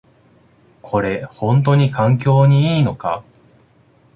これ、ほんとに環境にいいのか？